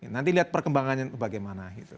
nanti lihat perkembangannya bagaimana